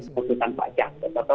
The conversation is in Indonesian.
seperti tanpa cat